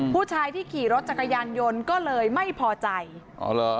ผู้ชายที่ขี่รถจักรยานยนต์ก็เลยไม่พอใจอ๋อเหรอ